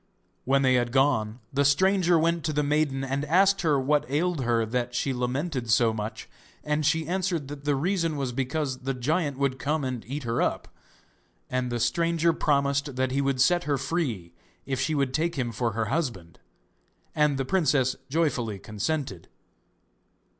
When they had gone the stranger went to the maiden and asked her what ailed her that she lamented so much, and she answered that the reason was because the giant would come and eat her up. And the stranger promised that he would set her free if she would take him for her husband, and the princess joyfully consented.